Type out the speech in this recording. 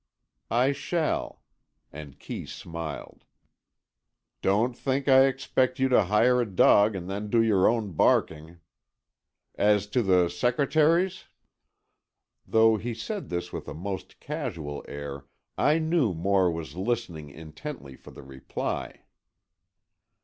"I shall," and Kee smiled. "Don't think I expect you to hire a dog and then do your own barking. As to the secretaries?" Though he said this with a most casual air, I knew Moore was listening intently for the reply.